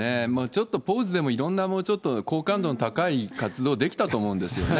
ちょっとポーズでも、いろんな好感度の高い活動できたと思うんですよね。